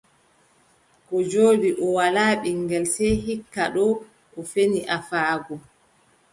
Koo jooɗi, o walaa ɓiŋngel, sey hikka doo o feni afaago.